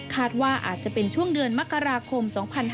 ว่าอาจจะเป็นช่วงเดือนมกราคม๒๕๕๙